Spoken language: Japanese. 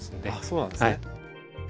そうなんですね。